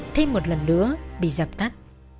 thêm một lần nữa bị giập tắt